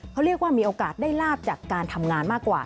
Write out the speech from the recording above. เขาเรียกว่ามีโอกาสได้ลาบจากการทำงานมากกว่า